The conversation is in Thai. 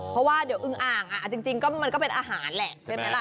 เพราะว่าเดี๋ยวอึงอ่างจริงก็มันก็เป็นอาหารแหละใช่ไหมล่ะ